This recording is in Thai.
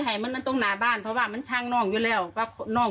ให้มันมันตรงหน้าบ้านเพราะว่ามันช่างน้องอยู่แล้วก็นอก